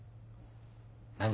何？